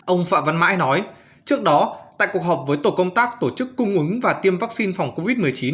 ông phạm văn mãi nói trước đó tại cuộc họp với tổ công tác tổ chức cung ứng và tiêm vaccine phòng covid một mươi chín